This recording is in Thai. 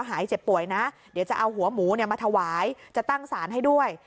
หายเจ็บป่วยนะเดี๋ยวจะเอาหัวหมูมาถวายจะตั้งสารให้ด้วย